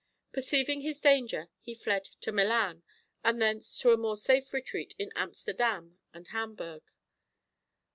Perceiving his danger, he fled to Milan, and thence to a more safe retreat in Amsterdam and Hamburg.